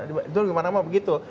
itu di mana mana begitu